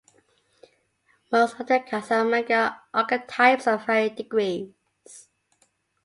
Most of the cast are manga archetypes of varying degrees.